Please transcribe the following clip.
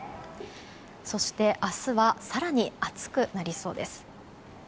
そして明日は更に暑くなりそうです。